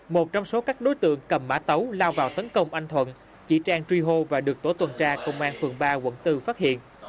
một trong số các đối tượng cầm mã tấu lao vào tấn công anh thuận chị trang truy hô và được tổ tuần tra công an phường ba quận bốn phát hiện